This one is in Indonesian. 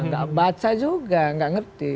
gak baca juga gak ngerti